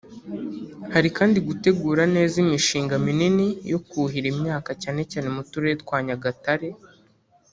Hari kandi ‘gutegura neza imishinga minini yo kuhira imyaka cyane cyane mu turere twa Nyagatare